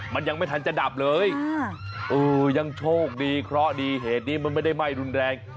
มันยังไม่ทันจะดับเลยเออยังโชคดีเคราะห์ดีเหตุนี้มันไม่ได้ไหม้รุนแรง